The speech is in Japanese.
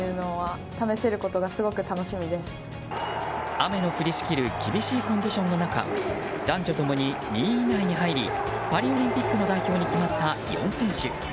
雨の降りしきる厳しいコンディションの中男女共に２位以内に入りパリオリンピックの代表に決まった４選手。